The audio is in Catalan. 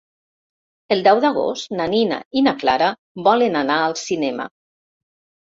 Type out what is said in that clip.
El deu d'agost na Nina i na Clara volen anar al cinema.